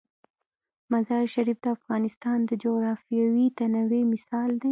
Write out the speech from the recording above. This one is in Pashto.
مزارشریف د افغانستان د جغرافیوي تنوع مثال دی.